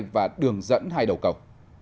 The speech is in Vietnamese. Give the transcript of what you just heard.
và đường dẫn hai đầu cầu